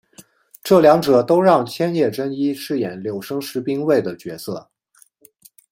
这两者都让千叶真一饰演柳生十兵卫的角色。